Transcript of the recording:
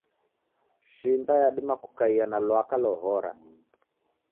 Shimba yadima kukaia na lwaka lohora.